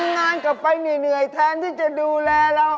งานกลับไปเหนื่อยแทนที่จะดูแลเรา